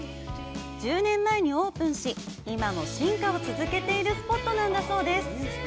１０年前にオープンし、今も進化を続けているスポットなんだそうです。